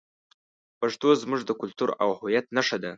پښتو زموږ د کلتور او هویت نښه ده.